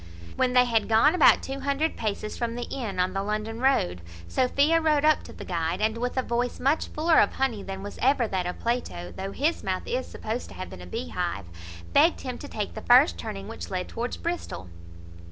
When they had gone about two hundred paces from the inn on the London road, Sophia rode up to the guide, and, with a voice much fuller of honey than was ever that of Plato, though his mouth is supposed to have been a bee hive, begged him to take the first turning which led towards Bristol.